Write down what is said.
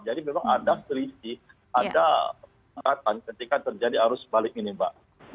jadi memang ada selisih ada perhatian ketika terjadi arus balik ini mbak